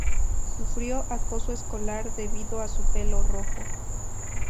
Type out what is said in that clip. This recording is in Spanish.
Sufrió acoso escolar debido a su pelo rojo.